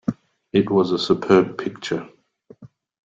It was a superb picture.